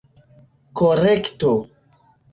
korekto